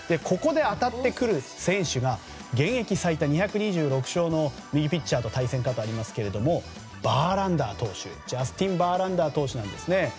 ここで当たってくる選手が現役最多２２６勝の右ピッチャーと対戦かとありますがジャスティン・バーランダー投手ですね。